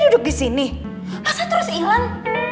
dia duduk disini masa terus ilang